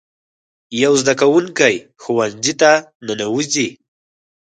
یو زده کوونکی ښوونځي ته ننوځي.